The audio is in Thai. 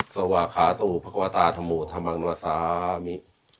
สวัสดิ์ค้าตู่พระควัตตาธรรมุทธธรรมังนวสาอ่ามิ